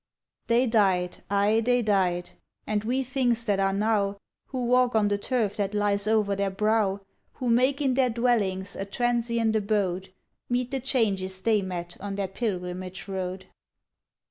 They died, ay! they died! and we things that are now, Who walk on the turf that lies over their brow, Who make in their dwellings a transient abode, Meet the changes they met on their pilgrimage road.